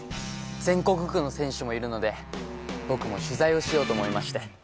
全国区の選手もいるので僕も取材をしようと思いまして。